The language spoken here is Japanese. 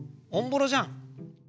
おんぼろじゃん。